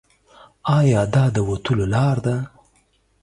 ایا دا د وتلو لار ده؟